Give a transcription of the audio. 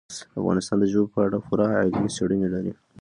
افغانستان د ژبو په اړه پوره علمي څېړنې لري.